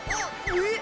えっ！？